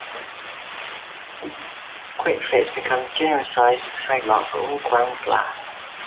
'Quickfit' has become a genericized trademark for all ground glass.